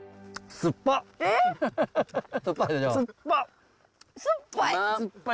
すっぱい！